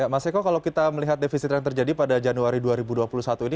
mas eko kalau kita melihat defisit yang terjadi pada januari dua ribu dua puluh satu ini